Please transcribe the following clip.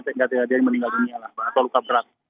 tidak terjadi meninggal dunia pak atau luka berat